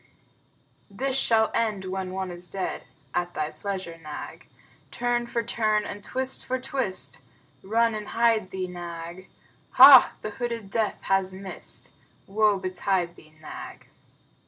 This shall end when one is dead; (At thy pleasure, Nag.) Turn for turn and twist for twist (Run and hide thee, Nag.) Hah! The hooded Death has missed! (Woe betide thee, Nag!)